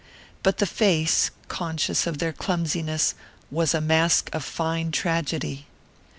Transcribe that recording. But the face, conscious of their clumsiness, was a mask of fine tragedy.